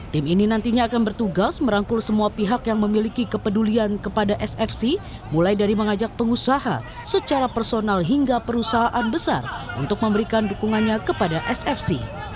tim ini nantinya akan bertugas merangkul semua pihak yang memiliki kepedulian kepada sfc mulai dari mengajak pengusaha secara personal hingga perusahaan besar untuk memberikan dukungannya kepada sfc